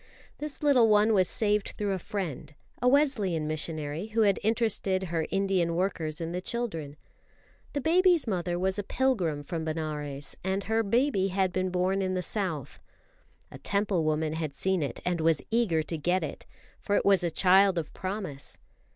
This little one was saved through a friend, a Wesleyan missionary, who had interested her Indian workers in the children. The baby's mother was a pilgrim from Benares, and her baby had been born in the South. A Temple woman had seen it and was eager to get it, for it was a child of promise.